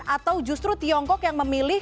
atau justru tiongkok yang memilih